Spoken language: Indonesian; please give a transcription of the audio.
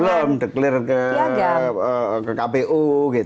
belum deklarasi ke kpu